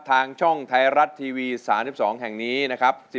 ทางช่องไทยรัดทีวีสารที่สองแห่งนี้นะครับ